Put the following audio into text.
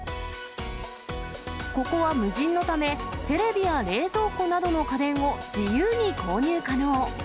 ここは無人のため、テレビや冷蔵庫などの家電を自由に購入可能。